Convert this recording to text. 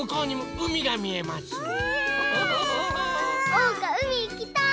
おうかうみいきたい！